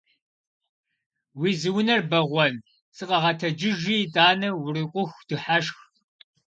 Уэ зи унэр бэгъуэн! Сыкъэгъэтэджыжи итӏанэ урикъуху дыхьэшх!